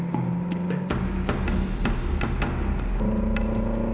kamu mau jalan